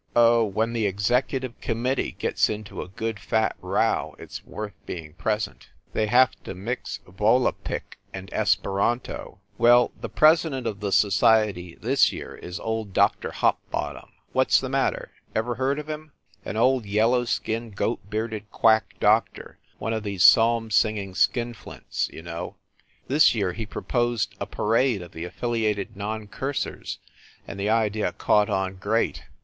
Oh, when the executive committee gets into a good, fat row, it s worth being present. They have to mix Volapiik and Esperanto ! 194 FIND THE WOMAN Well, the president of the society, this year, is old Dr. Hopbottom. What s the matter? Every heard of him? An old, yellow skinned, goat bearded quack doctor, one of these psalm singing skinflints you know ! This year he proposed a parade of the Affiliated Non Cursers; and the idea caught on great.